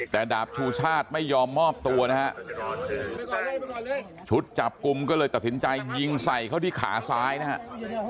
แต่ดาบชูชาติไม่ยอมมอบตัวนะฮะชุดจับกลุ่มก็เลยตัดสินใจยิงใส่เขาที่ขาซ้ายนะครับ